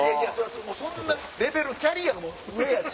もうそんなレベルキャリアも上やし。